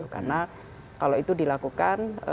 karena kalau itu dilakukan